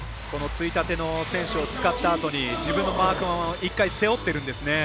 ついたての選手を使ったあとに自分のマークマンを一瞬、背負っているんですよね。